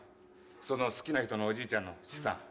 その好きな人のおじいちゃんの資産